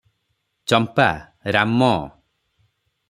Champa - Ram!